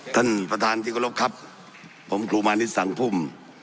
ท่านประธานจิงกรพครับผมครูมานิสสังภูมิ